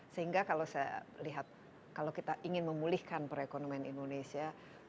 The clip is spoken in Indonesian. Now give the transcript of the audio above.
sehingga kalau saya lihat kalau kita ingin memulihkan perekonomian indonesia